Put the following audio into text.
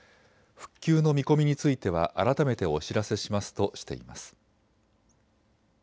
復旧の見込みについては改めてお知らせしますとしています。